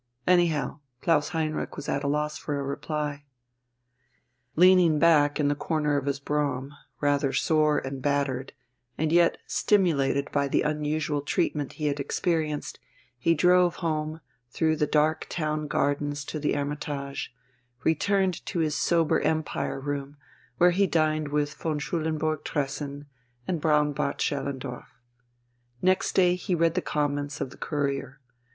Anyhow, Klaus Heinrich was at a loss for a reply. Leaning back in the corner of his brougham, rather sore and battered, and yet stimulated by the unusual treatment he had experienced, he drove home, through the dark Town Gardens to the Hermitage, returned to his sober Empire room, where he dined with von Schulenburg Tressen and Braunbart Schellendorf. Next day he read the comments of the Courier.